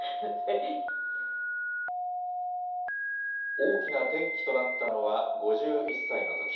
大きな転機となったのは５１歳のとき。